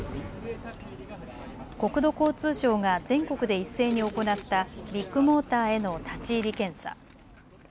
国土交通省が全国で一斉に行ったビッグモーターへの立ち入り検査。